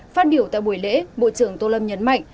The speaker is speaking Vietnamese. phát biểu tại buổi lễ bộ trưởng tô lâm nhấn mạnh